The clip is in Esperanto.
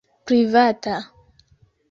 Privata.